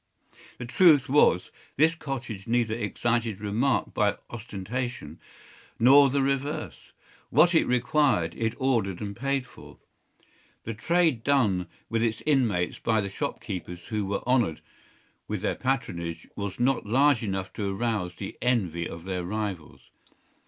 The truth was, this cottage neither excited remark by ostentation, nor the reverse. What it required, it ordered and paid for. The trade done with its inmates by the shopkeepers who were honoured with their patronage was not large enough to arouse the envy of their rivals.